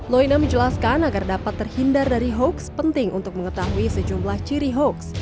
loina menjelaskan agar dapat terhindar dari hoax penting untuk mengetahui sejumlah ciri hoax